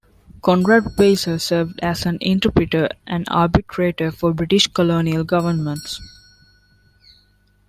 Conrad Weiser served as an interpreter and arbitrator for the British colonial governments.